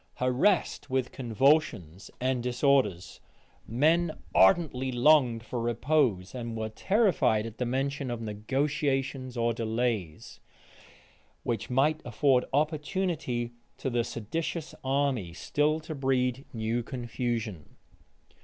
Harassed with convulsions and disorders, men ardently longed for repose; and were terrified at the mention of negotiations or delays, which might afford opportunity to the seditious army still to breed new confusion.